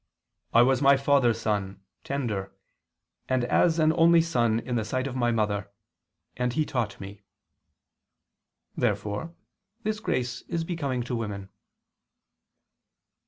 'I was my father's son, tender, and as an only son in the sight of my mother. And he taught me.']." Therefore this grace is becoming to women.